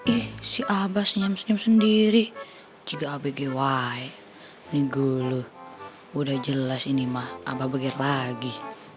ih si aba senyum sendiri juga abg why nih guluh udah jelas ini mah aba bagian lagi